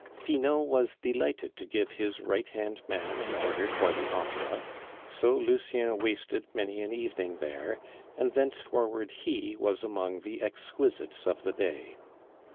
Finot was delighted to give his right hand man an order for the Opera, so Lucien wasted many an evening there, and thenceforward he was among the exquisites of the day.